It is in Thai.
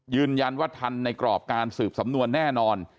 ยืนยันทันในกรอบการสืบสำนวนแน่นอน